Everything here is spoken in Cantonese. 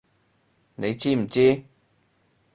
你知唔知！